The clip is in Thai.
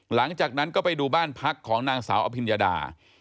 หลังจากนั้นก็ไปดูบ้านพักของนางสาวอภิญญาดา